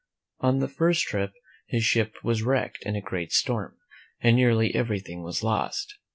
On the first trip his ship was wrecked in a great storm and nearly everything was lost.